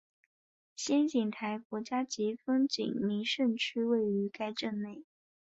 仙景台国家级风景名胜区位于该镇内。